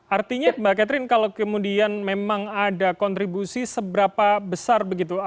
artinya mbak catherine kalau kemudian memang ada kontribusi seberapa besar begitu